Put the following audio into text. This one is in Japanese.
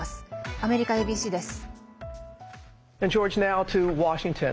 アメリカＡＢＣです。